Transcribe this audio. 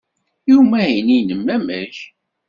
I umahil-nnem, amek?